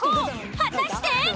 果たして？